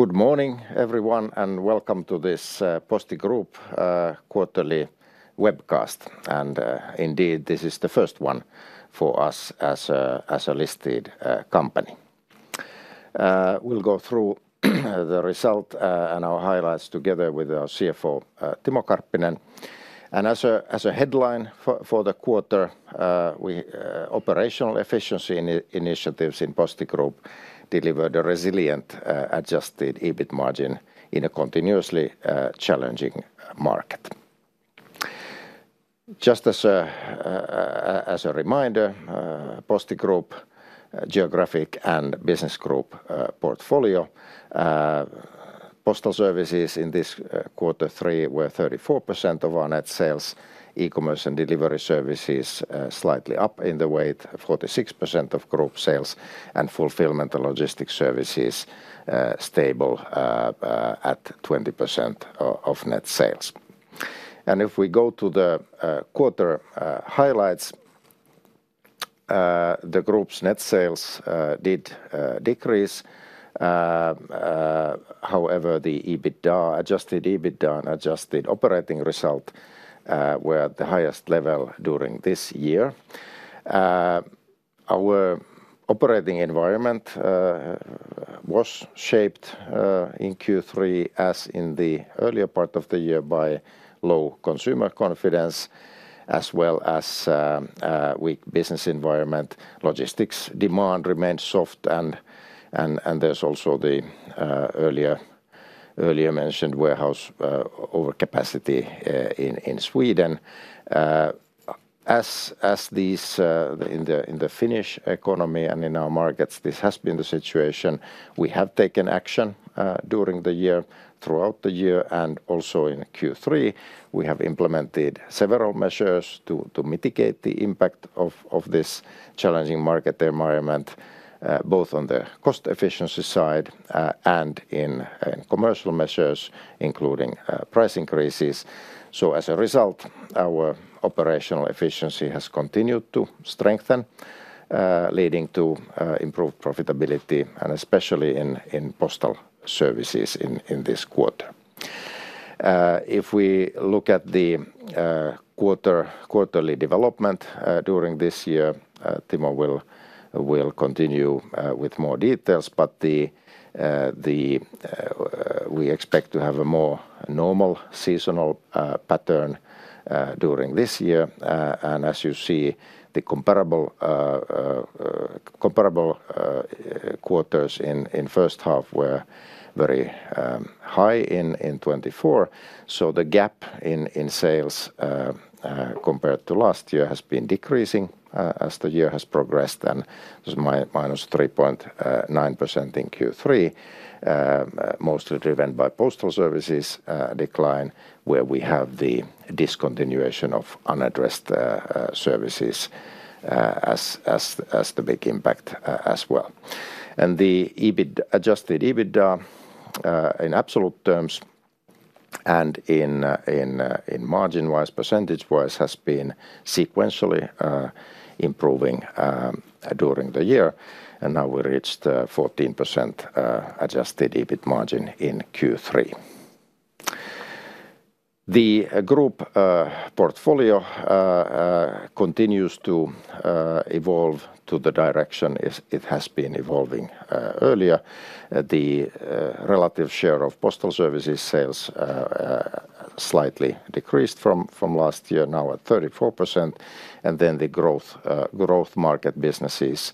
Good morning, everyone, and welcome to this Posti Group quarterly webcast. Indeed, this is the first one for us as a listed company. We'll go through the result and our highlights together with our CFO, Timo Karppinen. As a headline for the quarter, operational efficiency initiatives in Posti Group delivered a resilient adjusted EBIT margin in a continuously challenging market. Just as a reminder, Posti Group's geographic and business group portfolio: postal services in this quarter three were 34% of our net sales. E-commerce and delivery services slightly up in the weight, 46% of group sales. Fulfillment and logistics services stable at 20% of net sales. If we go to the quarter highlights, the group's net sales did decrease. However, the EBITDA, adjusted EBITDA, and adjusted operating result were at the highest level during this year. Our operating environment was shaped in Q3, as in the earlier part of the year, by low consumer confidence as well as a weak business environment. Logistics demand remained soft, and there's also the earlier mentioned warehouse overcapacity in Sweden. As in the Finnish economy and in our markets, this has been the situation. We have taken action during the year, throughout the year, and also in Q3. We have implemented several measures to mitigate the impact of this challenging market environment, both on the cost efficiency side and in commercial measures, including price increases. As a result, our operational efficiency has continued to strengthen, leading to improved profitability, and especially in postal services in this quarter. If we look at the quarterly development during this year, Timo will continue with more details, but we expect to have a more normal seasonal pattern during this year. As you see, the comparable quarters in the first half were very high in 2024. The gap in sales compared to last year has been decreasing as the year has progressed, and it was -3.9% in Q3, mostly driven by postal services decline where we have the discontinuation of unaddressed services as the big impact as well. The adjusted EBITDA in absolute terms and in margin-wise, percentage-wise, has been sequentially improving during the year. Now we reached 14% adjusted EBIT margin in Q3. The group portfolio continues to evolve to the direction it has been evolving earlier. The relative share of postal services sales slightly decreased from last year, now at 34%. The growth market businesses,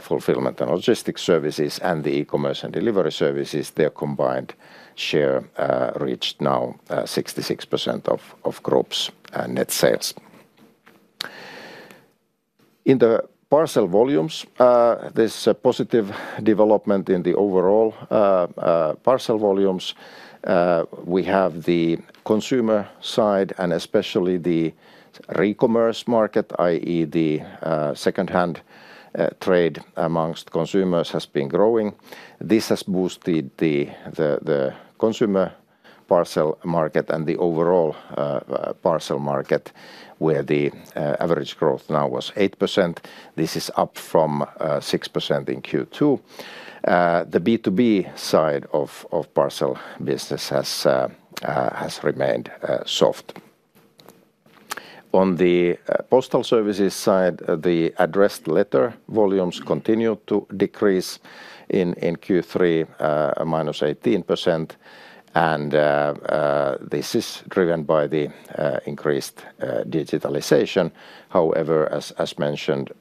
fulfillment and logistics services, and the e-commerce and delivery services, their combined share reached now 66% of group's net sales. In the parcel volumes, there's a positive development in the overall parcel volumes. We have the consumer side, and especially the re-commerce market, i.e., the second-hand trade amongst consumers, has been growing. This has boosted the consumer parcel market and the overall parcel market where the average growth now was 8%. This is up from 6% in Q2. The B2B side of parcel business has remained soft. On the postal services side, the addressed letter volumes continued to decrease in Q3, -18%. This is driven by the increased digitalization. However, as mentioned,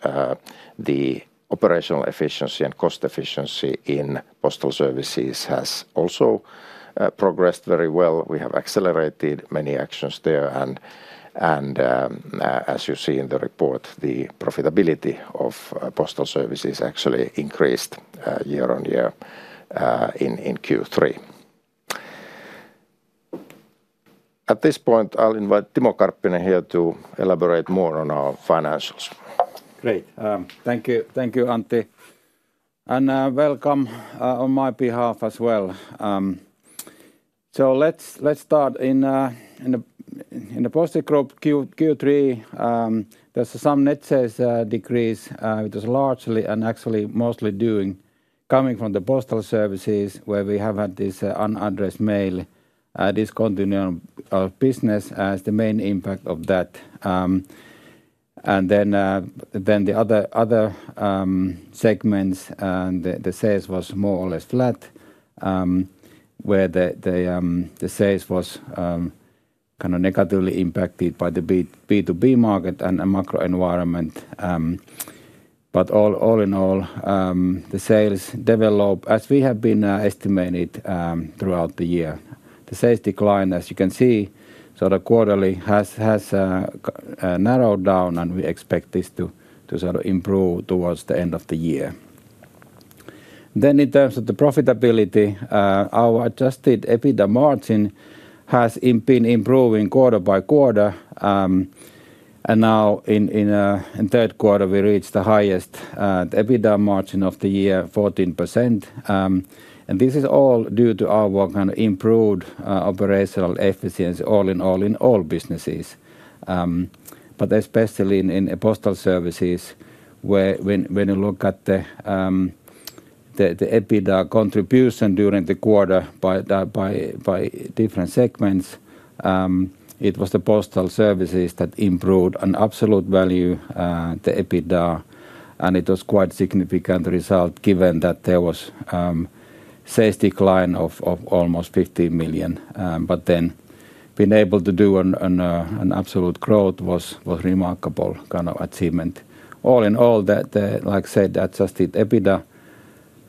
the operational efficiency and cost efficiency in postal services has also progressed very well. We have accelerated many actions there. As you see in the report, the profitability of postal services actually increased year-on-year in Q3. At this point, I'll invite Timo Karppinen here to elaborate more on our financials. Great. Thank you, Antti. Thank you, and welcome on my behalf as well. Let's start. In the Posti Group Q3, there's some net sales decrease, which was largely and actually mostly coming from the postal services where we have had this unaddressed mail discontinuation of business as the main impact of that. The other segments, the sales were more or less flat where the sales were kind of negatively impacted by the B2B market and the macro environment. All in all, the sales developed as we have been estimating throughout the year. The sales declined, as you can see. The quarterly has narrowed down, and we expect this to sort of improve towards the end of the year. In terms of the profitability, our adjusted EBITDA margin has been improving quarter by quarter. Now in the third quarter, we reached the highest EBITDA margin of the year, 14%. This is all due to our kind of improved operational efficiency, all in all, in all businesses. Especially in postal services, when you look at the EBITDA contribution during the quarter by different segments, it was the postal services that improved an absolute value, the EBITDA. It was quite a significant result given that there was a sales decline of almost 15 million. Being able to do an absolute growth was a remarkable kind of achievement. All in all, like I said, the adjusted EBITDA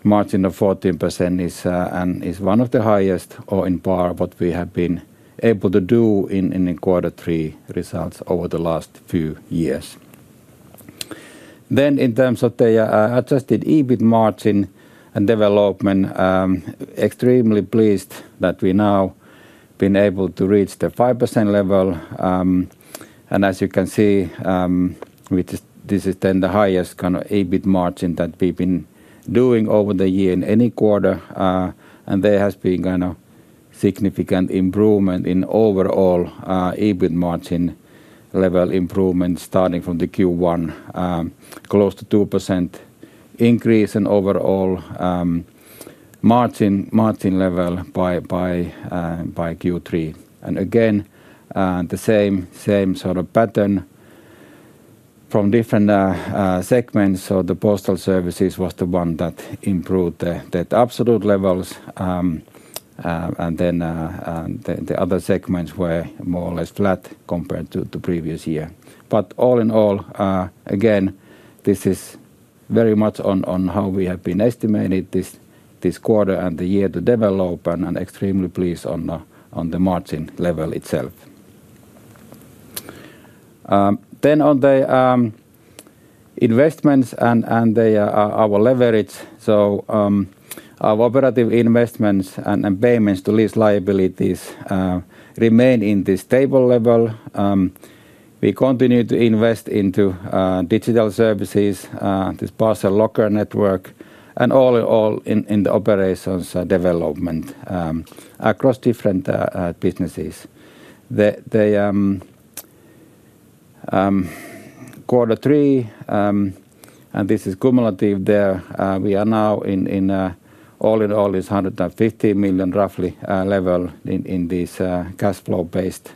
margin of 14% is one of the highest or in part what we have been able to do in the quarter three results over the last few years. In terms of the adjusted EBITDA margin and development, extremely pleased that we've now been able to reach the 5% level. As you can see, this is then the highest kind of EBITDA margin that we've been doing over the year in any quarter. There has been a significant improvement in overall EBITDA margin level improvement starting from the Q1, close to 2% increase in overall margin level by Q3. Again, the same sort of pattern from different segments. The postal services was the one that improved the absolute levels. The other segments were more or less flat compared to the previous year. All in all, again, this is very much on how we have been estimating this quarter and the year to develop, and I'm extremely pleased on the margin level itself. On the investments and our leverage, our operative investments and payments to lease liabilities remain in this stable level. We continue to invest into digital services, this parcel locker network, and all in all, in the operations development across different businesses. The quarter three, and this is cumulative there, we are now in all in all, it's 150 million roughly level in these cash flow-based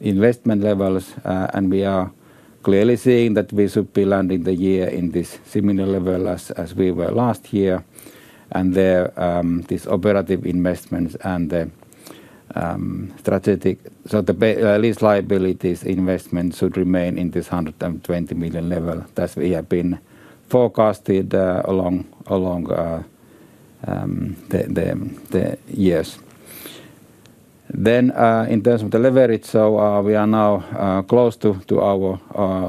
investment levels. We are clearly seeing that we should be landing the year in this similar level as we were last year. There, these operative investments and the strategic, so the lease liabilities investments should remain in this 120 million level as we have been forecasted along the years. In terms of the leverage, we are now close to our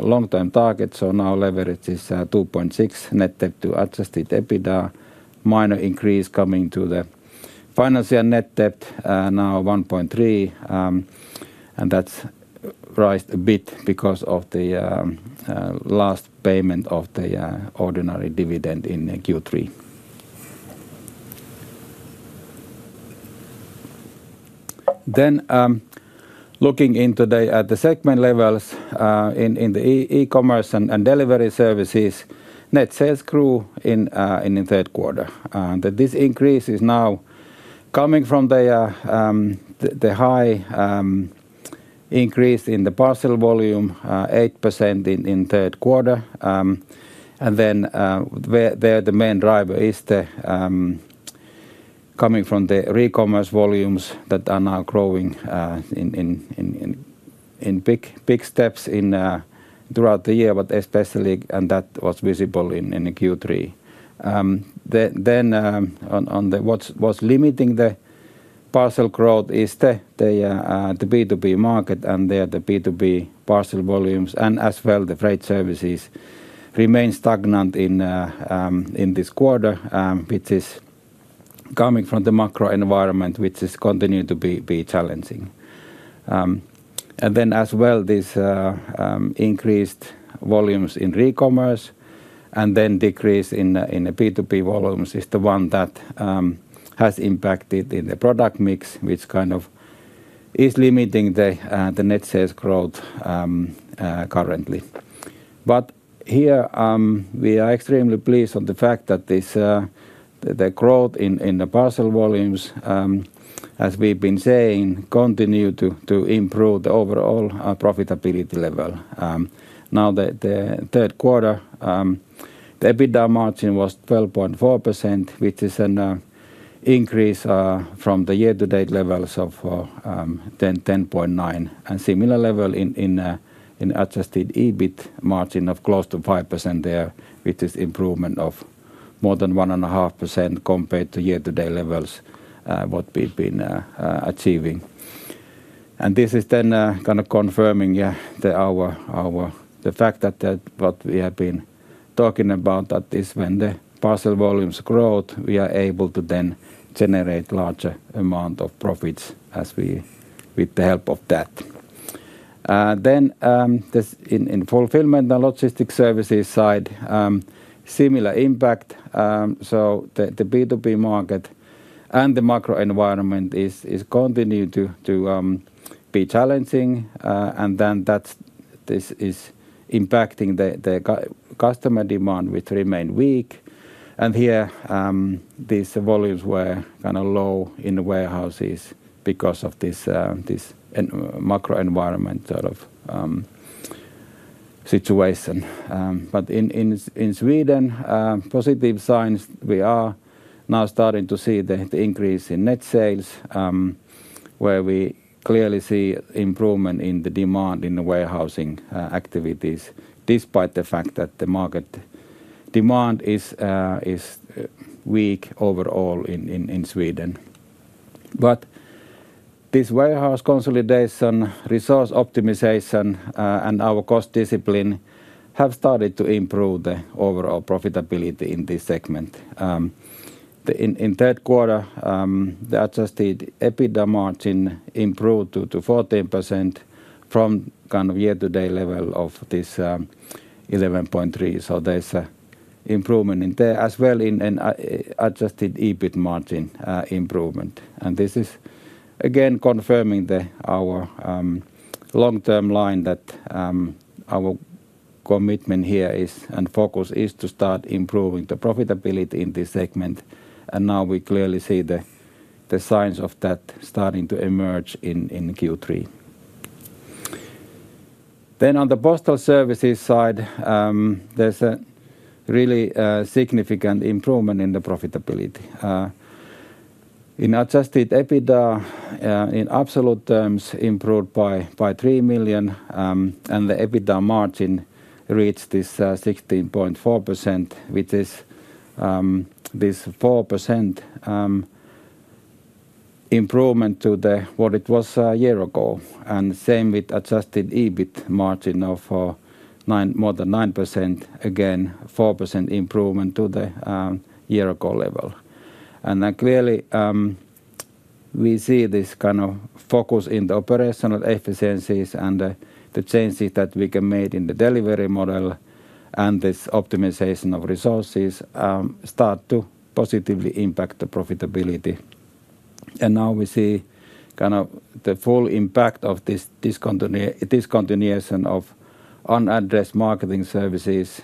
long-term target. Now leverage is 2.6x net debt to adjusted EBITDA, minor increase coming to the financial net debt, now 1.3x. That's rising a bit because of the last payment of the ordinary dividend in Q3. Looking into the segment levels in the e-commerce and delivery services, net sales grew in the third quarter. This increase is now coming from the high increase in the parcel volume, 8% in the third quarter. The main driver is coming from the re-commerce volumes that are now growing in big steps throughout the year, especially, and that was visible in Q3. What's limiting the parcel growth is the B2B market, and there the B2B parcel volumes, as well the freight services remain stagnant in this quarter, which is coming from the macro environment, which has continued to be challenging. These increased volumes in re-commerce and then decrease in the B2B volumes is the one that has impacted in the product mix, which kind of is limiting the net sales growth currently. Here, we are extremely pleased on the fact that the growth in the parcel volumes, as we've been saying, continues to improve the overall profitability level. Now the third quarter, the EBITDA margin was 12.4%, which is an increase from the year-to-date levels of 10.9%. Similar level in adjusted EBIT margin of close to 5% there, which is an improvement of more than 1.5% compared to year-to-date levels what we've been achieving. This is then kind of confirming the fact that what we have been talking about, that is when the parcel volumes grow, we are able to then generate a larger amount of profits with the help of that. In fulfillment and logistics services side, similar impact. The B2B market and the macro environment continue to be challenging. This is impacting the customer demand, which remains weak. These volumes were kind of low in warehouses because of this macro environment sort of situation. In Sweden, positive signs are now starting to show with the increase in net sales where we clearly see improvement in the demand in the warehousing activities, despite the fact that the market demand is weak overall in Sweden. This warehouse consolidation, resource optimization, and our cost discipline have started to improve the overall profitability in this segment. In the third quarter, the adjusted EBITDA margin improved to 14% from the year-to-date level of 11.3%. There is an improvement in adjusted EBITDA margin. This is again confirming our long-term line that our commitment here and focus is to start improving the profitability in this segment. We clearly see the signs of that starting to emerge in Q3. On the postal services side, there is a really significant improvement in the profitability. Adjusted EBITDA, in absolute terms, improved by 3 million. The EBITDA margin reached 16.4%, which is a 4% improvement to what it was a year ago. Same with adjusted EBITDA margin of more than 9%, again a 4% improvement to the year-ago level. Clearly, we see this kind of focus in the operational efficiencies and the changes that we can make in the delivery model. This optimization of resources starts to positively impact the profitability. Now we see the full impact of this discontinuation of unaddressed marketing services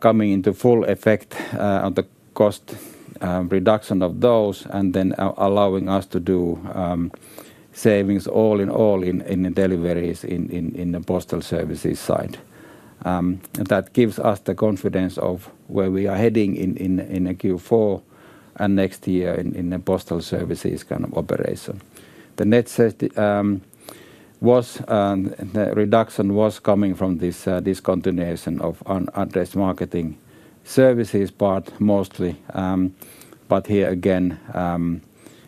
coming into full effect on the cost reduction of those, allowing us to do savings all in all in the deliveries in the postal services side. That gives us the confidence of where we are heading in Q4 and next year in the postal services operation. The net sales reduction was coming from this discontinuation of unaddressed marketing services part mostly. Here again,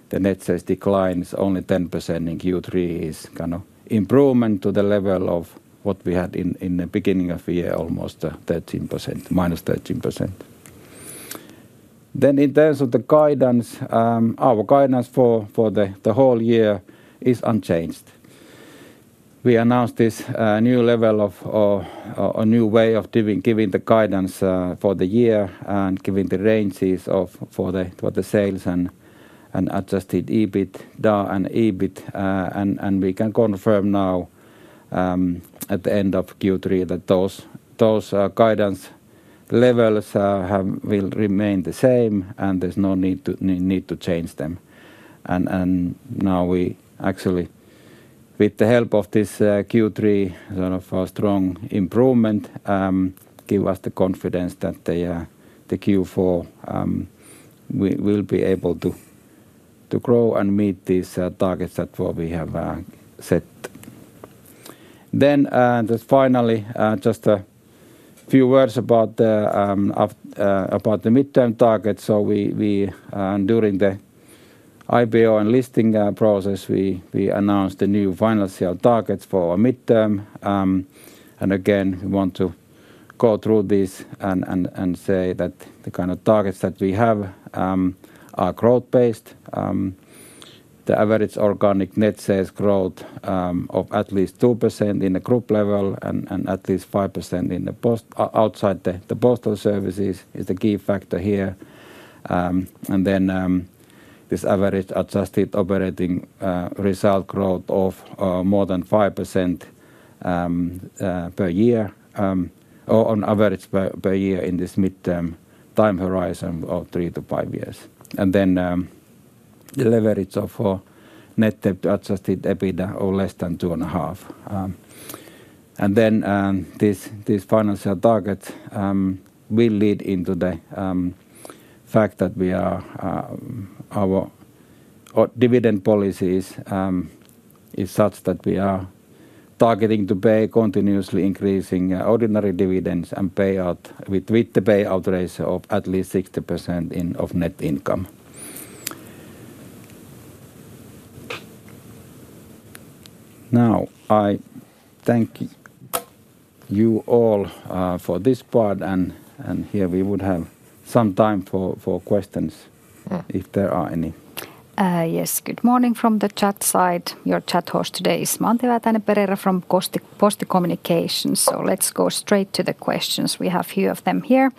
the net sales declined only 10% in Q3, which is an improvement to the level of what we had in the beginning of the year, almost -13%. In terms of the guidance, our guidance for the whole year is unchanged. We announced this new level of a new way of giving the guidance for the year and giving the ranges for the sales and adjusted EBITDA and EBIT. We can confirm now at the end of Q3 that those guidance levels will remain the same, and there is no need to change them. We actually, with the help of this Q3 sort of strong improvement, have the confidence that Q4 will be able to grow and meet these targets that we have set. Finally, just a few words about the midterm targets. During the IPO and listing process, we announced the new financial targets for our midterm. We want to go through this and say that the kind of targets that we have are growth-based. The average organic net sales growth of at least 2% at the group level and at least 5% outside the postal services is the key factor here. This average adjusted operating result growth of more than 5% per year, or on average per year in this midterm time horizon of three to five years, is also important. The leverage of net debt to adjusted EBITDA of less than 2.5% is another target. These financial targets will lead to the fact that our dividend policy is such that we are targeting to pay continuously increasing ordinary dividends and pay out with the payout ratio of at least 60% of net income. I thank you all for this part. We would have some time for questions if there are any. Yes, good morning from the chat side. Your chat host today is Matti Väänänen-Perera from Posti Communications. Let's go straight to the questions. We have a few of them here.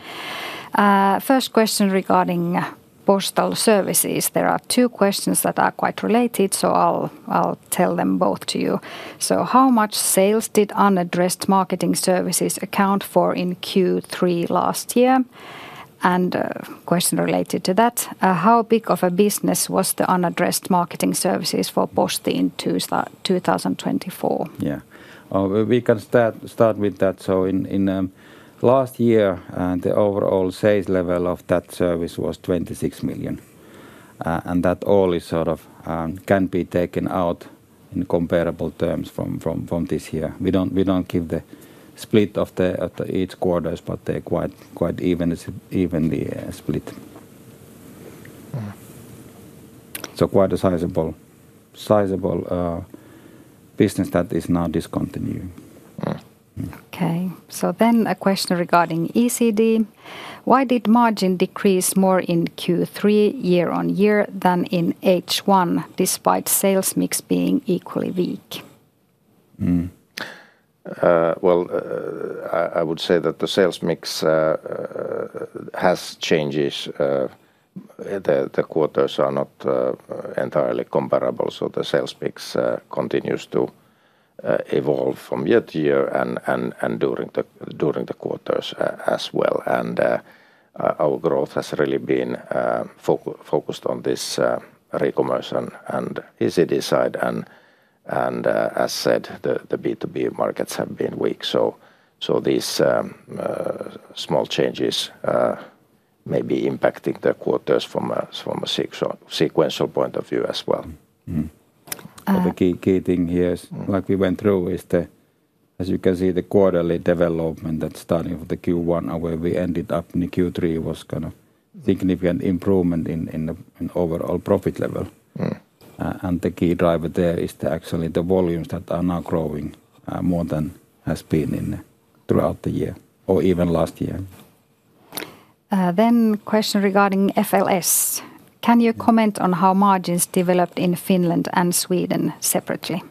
First question regarding postal services. There are two questions that are quite related, so I'll tell them both to you. How much sales did unaddressed marketing services account for in Q3 last year? A question related to that, how big of a business was the unaddressed marketing services for Posti in 2024? We can start with that. In last year, the overall sales level of that service was 26 million. That all can be taken out in comparable terms from this year. We don't give the split of each quarter, but they're quite evenly split. Quite a sizable business that is now discontinuing. Okay, so a question regarding ECD. Why did margin decrease more in Q3 year-on-year than in H1, despite sales mix being equally weak? The sales mix has changed. The quarters are not entirely comparable, so the sales mix continues to evolve from year to year and during the quarters as well. Our growth has really been focused on this re-commerce and ECD side. As said, the B2B markets have been weak. These small changes may be impacting the quarters from a sequential point of view as well. The key thing here, like we went through, is the, as you can see, the quarterly development that started with the Q1 and where we ended up in Q3 was kind of a significant improvement in the overall profit level. The key driver there is actually the volumes that are now growing more than have been in throughout the year or even last year. Regarding FLS. Can you comment on how margins developed in Finland and Sweden separately?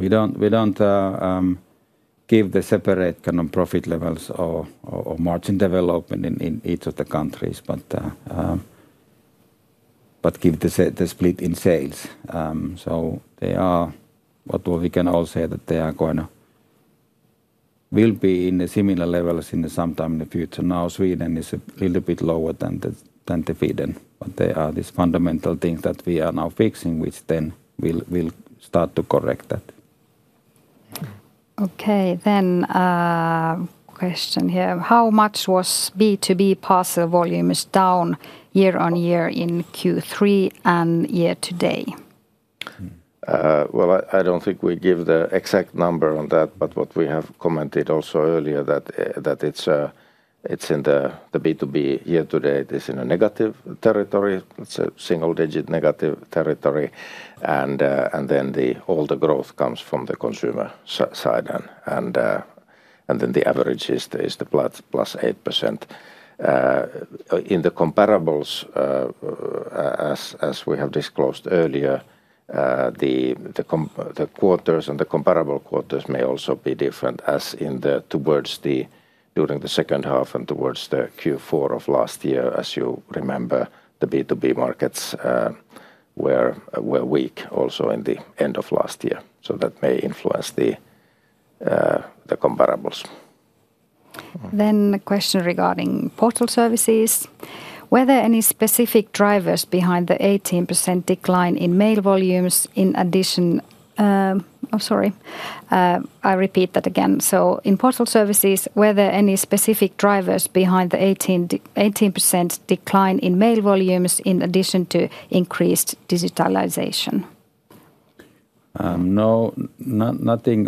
We don't give the separate kind of profit levels or margin development in each of the countries, but give the split in sales. What we can all say is that they are going to be in similar levels sometime in the future. Now, Sweden is a little bit lower than the Finns, but there are these fundamental things that we are now fixing, which then will start to correct that. Okay, then a question here. How much was B2B parcel volumes down year on year in Q3 and year to date? I don't think we give the exact number on that, but what we have commented also earlier is that it's in the B2B year to date, it is in a negative territory. It's a single-digit negative territory, and all the growth comes from the consumer side. The average is the +8%. In the comparables, as we have disclosed earlier, the quarters and the comparable quarters may also be different, as in towards the second half and towards Q4 of last year, as you remember, the B2B markets were weak also in the end of last year. That may influence the comparables. A question regarding postal services. Were there any specific drivers behind the 18% decline in mail volumes in addition to increased digitalization? No, nothing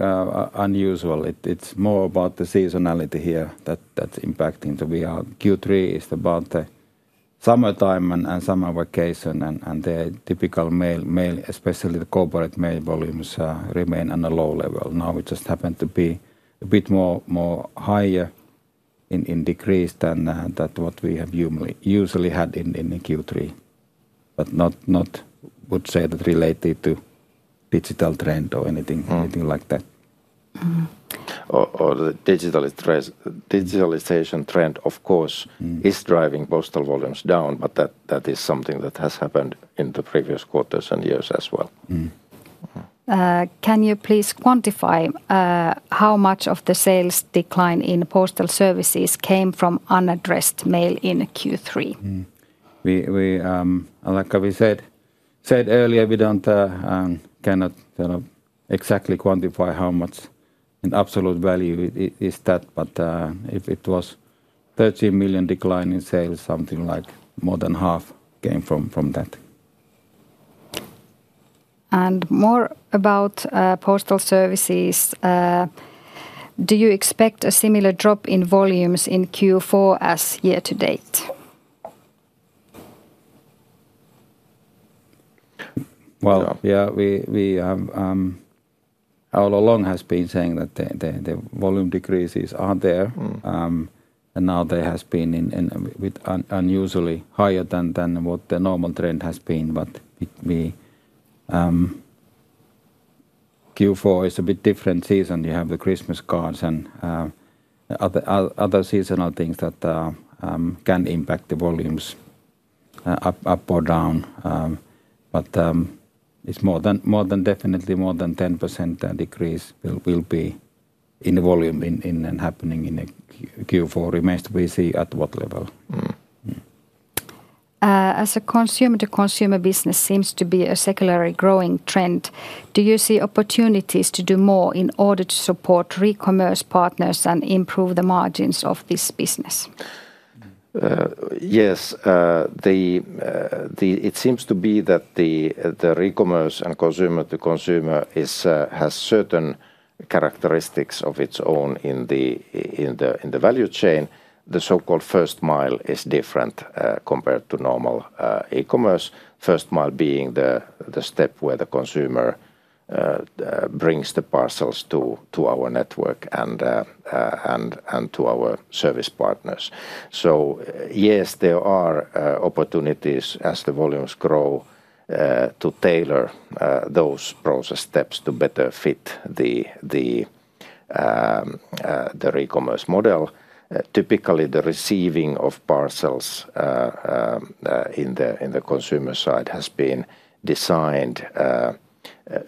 unusual. It's more about the seasonality here that's impacting. Q3 is about the summertime and summer vacation, and the typical mail, especially the corporate mail volumes, remain on a low level. It just happened to be a bit higher in decrease than what we have usually had in Q3. I would say that related to digital trend or anything like that. The digitalization trend, of course, is driving postal volumes down, but that is something that has happened in the previous quarters and years as well. Can you please quantify how much of the sales decline in postal services came from unaddressed mail in Q3? Like we said earlier, we cannot exactly quantify how much in absolute value is that, but if it was a 13 million decline in sales, something like more than half came from that. Regarding postal services, do you expect a similar drop in volumes in Q4 as year to date? We have all along been saying that the volume decreases are there, and now they have been unusually higher than what the normal trend has been. Q4 is a bit different season. You have the Christmas cards and other seasonal things that can impact the volumes up or down. It's definitely more than a 10% decrease that will be in the volume happening in Q4. We see at what level. As a consumer, the consumer business seems to be a circularly growing trend. Do you see opportunities to do more in order to support re-commerce partners and improve the margins of this business? Yes, it seems to be that the re-commerce and consumer to consumer has certain characteristics of its own in the value chain. The so-called first mile is different compared to normal e-commerce. First mile being the step where the consumer brings the parcels to our network and to our service partners. Yes, there are opportunities as the volumes grow to tailor those process steps to better fit the re-commerce model. Typically, the receiving of parcels in the consumer side has been designed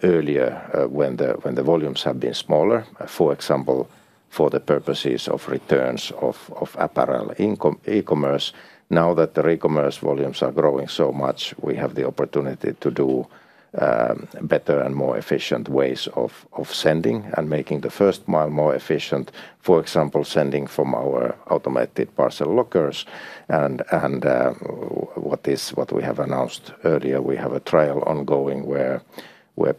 earlier when the volumes have been smaller, for example, for the purposes of returns of apparel e-commerce. Now that the re-commerce volumes are growing so much, we have the opportunity to do better and more efficient ways of sending and making the first mile more efficient, for example, sending from our automated parcel lockers. What we have announced earlier, we have a trial ongoing where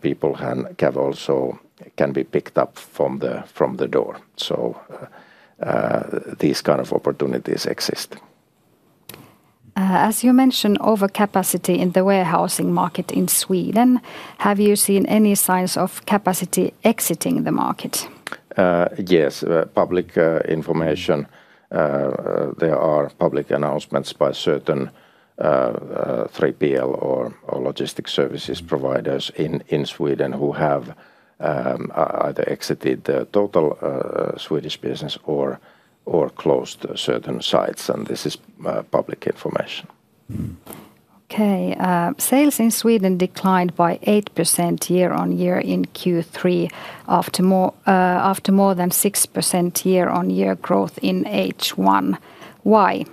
people can also be picked up from the door. These kind of opportunities exist. As you mentioned, overcapacity in the warehousing market in Sweden. Have you seen any signs of capacity exiting the market? Yes, public information. There are public announcements by certain 3PL or logistics services providers in Sweden who have either exited the total Swedish business or closed certain sites. This is public information. Okay, sales in Sweden declined by 8% year-on-year in Q3 after more than 6% year-on-year growth in H1. Why?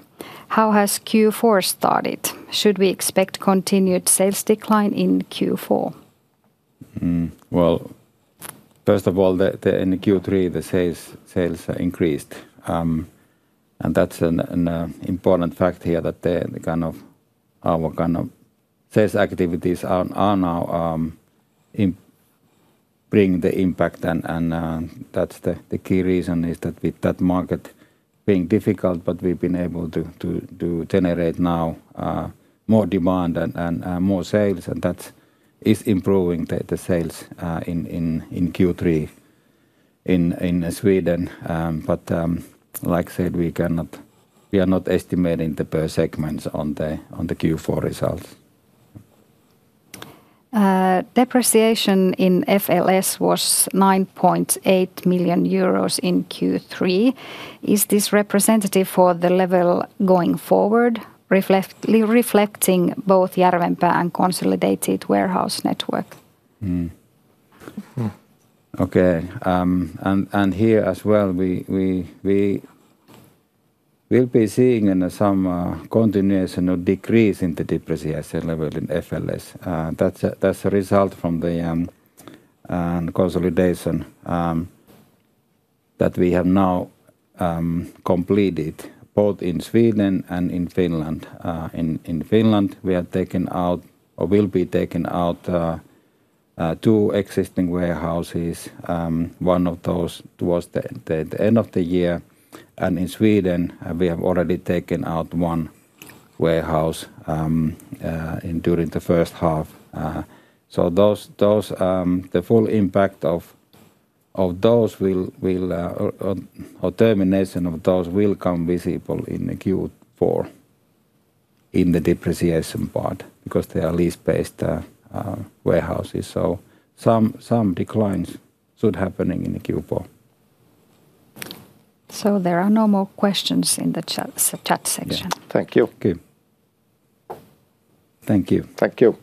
How has Q4 started? Should we expect continued sales decline in Q4? First of all, in Q3, the sales increased. That's an important fact here that our kind of sales activities are now bringing the impact. The key reason is that with that market being difficult, we've been able to generate now more demand and more sales. That is improving the sales in Q3 in Sweden. Like I said, we are not estimating the per segments on the Q4 results. Depreciation in FLS was 9.8 million euros in Q3. Is this representative for the level going forward, reflecting both Järvenpää and consolidated warehouse network? Okay, here as well, we will be seeing some continuation or decrease in the depreciation level in FLS. That's a result from the consolidation that we have now completed both in Sweden and in Finland. In Finland, we are taking out or will be taking out two existing warehouses, one of those towards the end of the year. In Sweden, we have already taken out one warehouse during the first half. The full impact of those or termination of those will come visible in Q4 in the depreciation part because they are lease-based warehouses. Some declines should happen in Q4. There are no more questions in the chat section. Thank you. Thank you. Thank you.